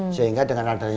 sehingga dengan adanya ini